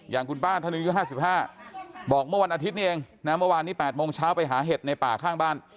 อย่างคุณป้าท่านหนึ่งอายุ๕๕บอกเมื่อวันอาทิตย์นี้เองนะเมื่อวานนี้๘โมงเช้าไปหาเห็ดในป่าข้างบ้าน